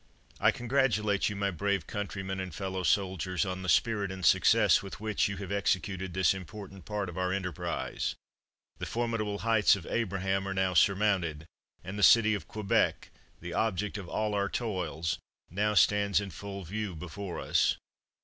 I congratulate you, my brave countrymen and fellow soldiers, on the spirit and success with which you have executed this important part of our enterprise. The formidable Heights of Abraham are now surmounted; and the city of Quebec, the object of all our toils, now stands in full view before us.